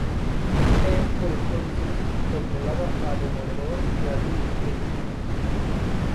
Él por entonces controlaba a Demoledor y a Luke Cage.